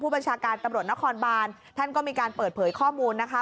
บัญชาการตำรวจนครบานท่านก็มีการเปิดเผยข้อมูลนะคะ